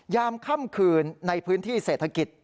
ยามค่ำคืนในพื้นที่เศรษฐกิจ